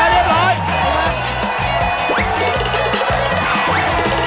เร็วหน่อย